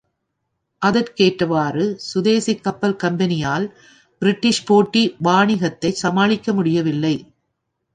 அதற்கேற்றவாறு, சுதேசி கப்பல் கம்பெனியால் பிரிட்டிஷ் போட்டி வாணிகத்தைச் சமாளிக்க முடியவில்லை.